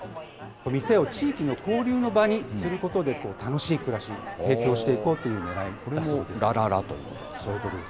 店を地域の交流の場にすることで楽しい暮らしを影響していこうとこれもらららということです